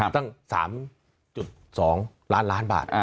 ตั้ง๓๒ล้านล้านบาท